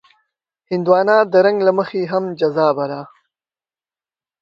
هندوانه د رنګ له مخې هم جذابه ده.